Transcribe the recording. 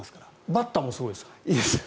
バッターもいいですか？